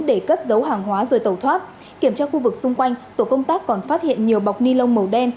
để cất dấu hàng hóa rồi tẩu thoát kiểm tra khu vực xung quanh tổ công tác còn phát hiện nhiều bọc ni lông màu đen